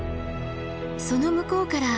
その向こうから朝日が！